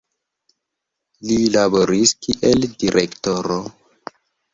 Li laboris kiel direktoro.